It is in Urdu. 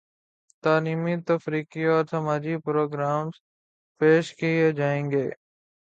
تعلیمی ، تفریحی اور سماجی پرو گرامز پیش کیے جائیں گے